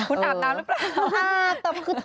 คุณอาบน้ำหรือเปล่า